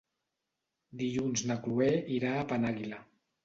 Dilluns na Cloè irà a Penàguila.